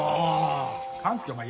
勘介お前